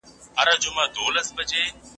داخلي تولیدات باید وهڅول سي.